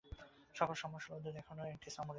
সমস্যা হলো ওদের এখনো একটা সামুরাই আছে।